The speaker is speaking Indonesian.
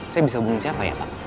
saya bisa hubungi siapa ya pak